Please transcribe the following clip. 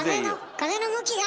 風の向きが？